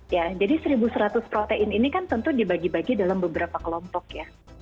ya jadi satu seratus protein ini kan tentu dibagi bagi dalam beberapa kelompok ya